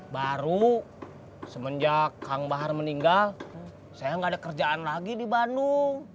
baru semenjak kang bahar meninggal saya nggak ada kerjaan lagi di bandung